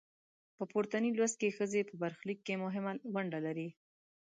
په پورتني لوست کې ښځې په برخلیک کې مهمه نډه لري.